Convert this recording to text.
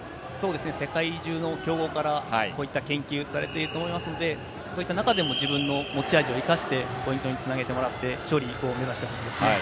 世界中の強豪から研究をされていると思うので、そういった中でも自分の持ち味を生かしてポイントにつなげてもらって、勝利を目指してほしいですね。